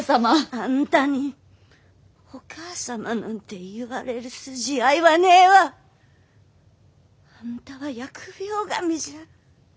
あんたにお義母様なんて言われる筋合いはねえわ！あんたは疫病神じゃ。